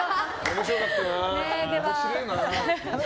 面白かったな。